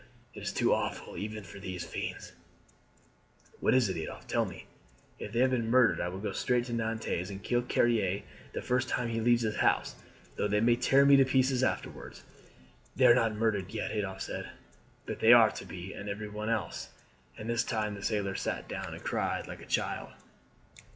"It is too awful even for these fiends." "What is it, Adolphe? Tell me. If they have been murdered I will go straight to Nantes and kill Carrier the first time he leaves his house, though they may tear me to pieces afterwards." "They are not murdered yet," Adolphe said; "but they are to be, and everyone else." And this time the sailor sat down and cried like a child.